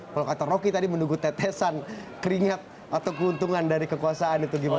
kalau kata rocky tadi menunggu tetesan keringat atau keuntungan dari kekuasaan itu gimana